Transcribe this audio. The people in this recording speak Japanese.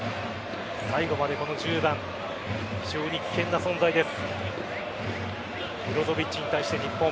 最後まで、この１０番非常に危険な存在です。